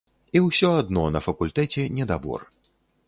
І ўсё адно на факультэце недабор.